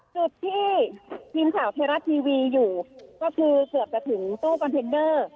จุดที่พิมพ์ข่าวเทราสตร์ทีวีอยู่ก็คือเกือบจะถึงตู้กอนเทนเดอร์